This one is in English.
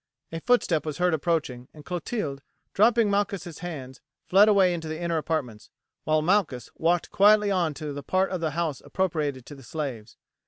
A footstep was heard approaching, and Clotilde, dropping Malchus' hands, fled away into the inner apartments, while Malchus walked quietly on to the part of the house appropriated to the slaves.